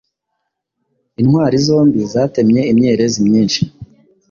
Intwari zombi zatemye imyerezi myinshi